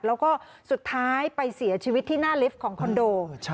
แล้วก็สุดท้ายไปเสียชีวิตที่หน้าลิฟท์ของคอนโด